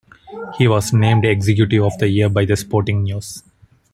He was named Executive of the Year by the Sporting News.